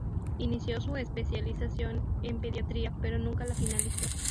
Inició su especialización en pediatría pero nunca la finalizó.